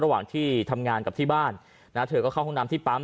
ระหว่างที่ทำงานกับที่บ้านนะเธอก็เข้าห้องน้ำที่ปั๊ม